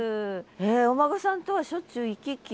お孫さんとはしょっちゅう行き来。